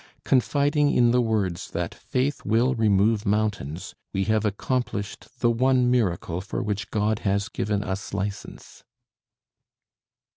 Confiding in the words that 'faith will remove mountains,' we have accomplished the one miracle for which God has given us license."